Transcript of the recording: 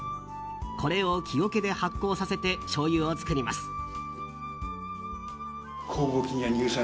これを木おけで発酵させてしょうゆを造ります。